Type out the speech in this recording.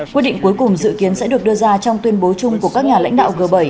quyết định cuối cùng dự kiến sẽ được đưa ra trong tuyên bố chung của các nhà lãnh đạo g bảy